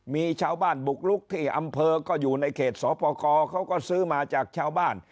มีชาวบ้านบุกลุกที่อำเภอก็อยู่ในเขตสปกรเขาก็ซื้อมาจากชาวบ้าน